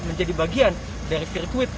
menjadi bagian dari sirkuit